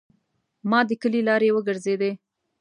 ما د کلي لارې وګرځیدې.